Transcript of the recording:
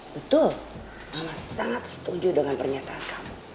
betul mama sangat setuju dengan pernyataan kamu